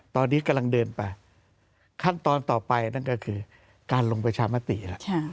ตอนนี้กำลังเดินไปขั้นตอนต่อไปนั่นก็คือการลงประชามติแล้ว